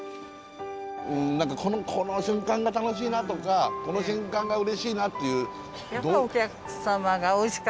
何かこの瞬間が楽しいなとかこの瞬間がうれしいなっていう？